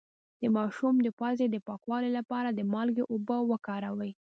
د ماشوم د پوزې د پاکوالي لپاره د مالګې اوبه وکاروئ